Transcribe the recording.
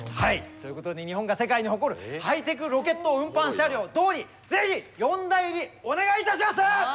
ということで日本が世界に誇るハイテクロケット運搬車両ドーリーぜひ四大入りお願いいたします！